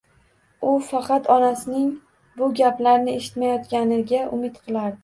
U faqat onasining bu gaplarni eshitmayotganiga umid qilardi